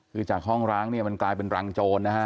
คือจากห้องร้างเนี่ยมันกลายเป็นรังโจรนะฮะ